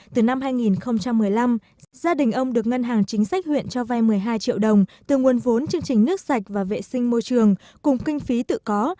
từ năm hai nghìn một mươi năm gia đình ông được ngân hàng chính sách huyện cho vay một mươi hai triệu đồng từ nguồn vốn chương trình nước sạch và vệ sinh môi trường cùng kinh phí tự có